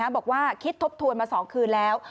บอกว่าคิดทบทวนมา๒คืนแล้ว